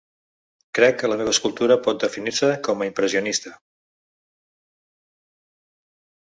Crec que la meva escultura pot definir-se com a “impressionista”.